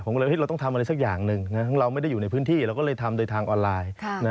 ผมก็เลยเราต้องทำอะไรสักอย่างหนึ่งเราไม่ได้อยู่ในพื้นที่เราก็เลยทำโดยทางออนไลน์